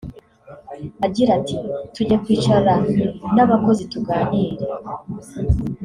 Agira ati ˝Tugiye kwicara n’abakozi tuganire